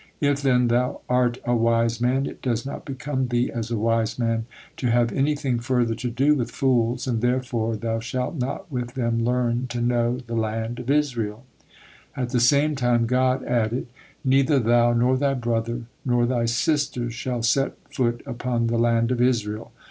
If then thou are a wise man, it does not become thee as a wise man to have anything further to do with fools, and therefore thou shalt not with them learn to know the land of Israel." At the same time God added, "Neither thou, nor thy brother, nor thy sister, shall set foot upon the land of Israel."